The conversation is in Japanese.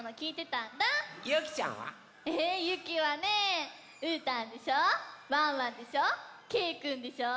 ゆきちゃんは？えゆきはねうーたんでしょワンワンでしょけいくんでしょ。